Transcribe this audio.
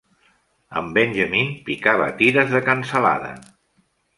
En Benjamin picava tires de cansalada.